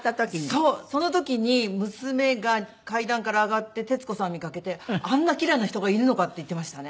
その時に娘が階段から上がって徹子さんを見かけて「あんな奇麗な人がいるのか」って言ってましたね。